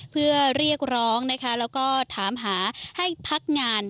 เพื่อเรียกร้องนะคะแล้วก็ถามหาให้พักงาน